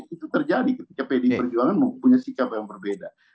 itu terjadi ketika pdi perjuangan mempunyai sikap yang berbeda